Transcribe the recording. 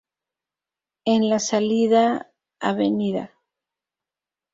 En la salida Av.